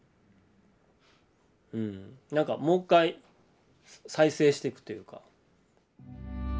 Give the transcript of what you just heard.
うんなんかもう一回再生してくというか。